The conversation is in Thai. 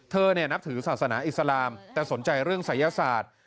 นับถือศาสนาอิสลามแต่สนใจเรื่องศัยศาสตร์